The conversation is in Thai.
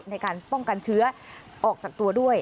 ในการป้องกันเชื้อออกจากตัวด้วย